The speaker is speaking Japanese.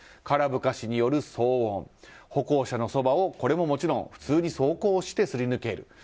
空ぶかしによる騒音歩行者のそばを、これももちろん普通に走行してすり抜ける。